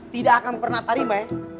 tidak akan pernah tarimai